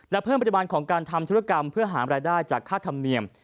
และเพิ่มปริมาณของการทำธุรกรรมเพื่อหารายได้จากค่าธรรมเนียม